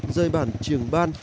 rơi bản trường ban